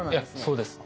そうです。